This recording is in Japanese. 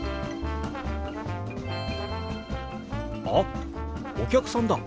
あっお客さんだ。